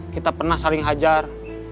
kita pernah saling hajar